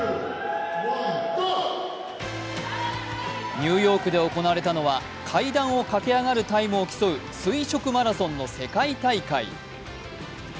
ニューヨークで行われたのは階段を駆け上がるタイムを競う垂直マラソンの世界大会。